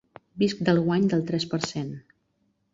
Visc del guany del tres per cent.